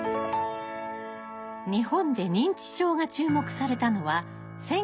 日本で認知症が注目されたのは１９７２年。